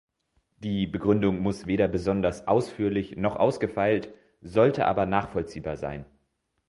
Die Begründung muss weder besonders ausführlich noch ausgefeilt, sollte aber nachvollziehbar sein.